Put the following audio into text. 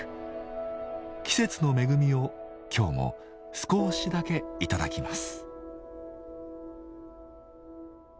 季節の恵みを今日も少しだけ頂きます。